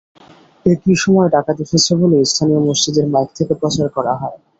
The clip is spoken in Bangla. একই সময় ডাকাত এসেছে বলে স্থানীয় মসজিদের মাইক থেকে প্রচার করা হয়।